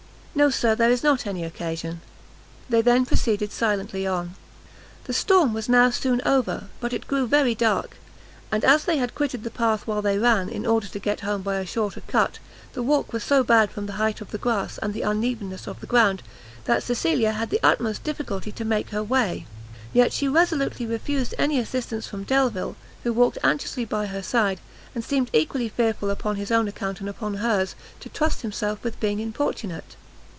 "No, Sir, there is not any occasion." They then proceeded silently on. The storm was now soon over; but it grew very dark, and as they had quitted the path while they ran, in order to get home by a shorter cut, the walk was so bad from the height of the grass, and the unevenness of the ground, that Cecilia had the utmost difficulty to make her way; yet she resolutely refused any assistance from Delvile, who walked anxiously by her side, and seemed equally fearful upon his own account and upon hers, to trust himself with being importunate.